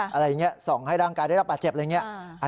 อะไรอย่างนี้ส่องให้ร่างกายได้รับบาดเจ็บอะไรอย่างนี้